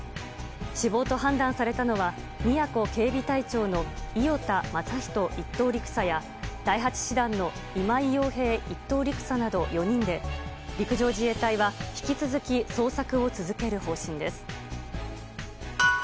死亡と判断されたのは宮古警備隊長の伊與田雅一１等陸佐や第８師団の今井洋平１等陸佐など４人で陸上自衛隊は引き続き捜索を続ける方針です。